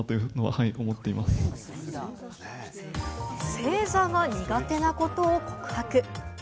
正座が苦手なことを告白。